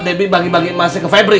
debbie bagi bagi masih ke febri